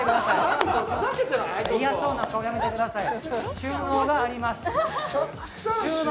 嫌そうな顔、やめてください。